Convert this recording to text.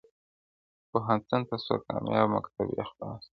• پوهنتون ته سوه کامیاب مکتب یې خلاص کئ..